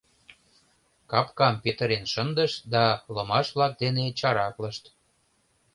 Капкам петырен шындышт да ломаш-влак дене чараклышт.